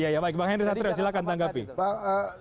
ya ya baik bang henry satria silahkan menanggapi